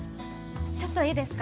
ちょっといいですか？